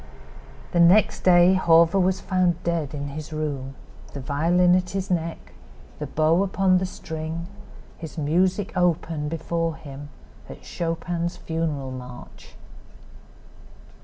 The next day Hawver was found dead in his room, the violin at his neck, the bow upon the strings, his music open before him at Chopin's funeral march.